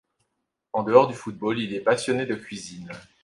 En dehors du football, il est passionné de cuisine.